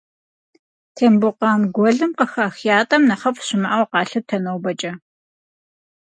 Тамбукъан гуэлым къыхах ятӏэм нэхъыфӏ щымыӏэу къалъытэ нобэкӏэ.